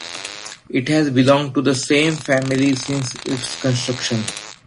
It has belonged to the same family since its construction.